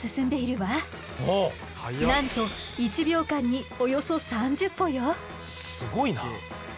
なんと１秒間におよそ３０歩よ！